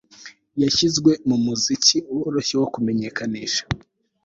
Yashyizwe mumuziki woroshye wo kumenyekanisha